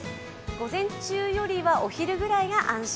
午前よりはお昼くらいが安心。